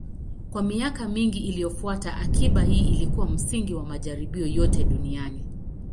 Kwa miaka mingi iliyofuata, akiba hii ilikuwa msingi wa majaribio yote duniani.